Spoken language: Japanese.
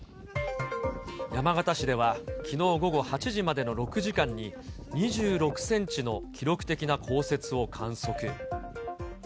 山形市では、きのう午後８時までの６時間に、２６センチの記録的な降雪を観測。